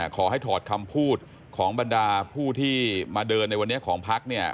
ขอให้ถอดคำพูดของบรรดาผู้ที่มาเดินในวันนี้ของพักเนี่ย